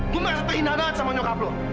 gue merasa terhina banget sama nyokap lo